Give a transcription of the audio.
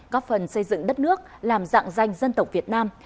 góp phần xây dựng đất nước làm dạng danh dân tộc việt nam